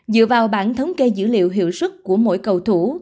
dựa vào bản thống kê dữ liệu hiệu sức của mỗi cầu thủ